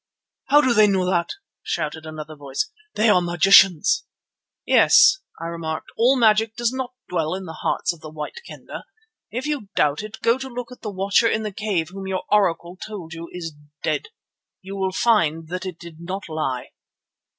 "How do they know that?" shouted another voice. "They are magicians!" "Yes," I remarked, "all magic does not dwell in the hearts of the White Kendah. If you doubt it, go to look at the Watcher in the Cave whom your Oracle told you is dead. You will find that it did not lie."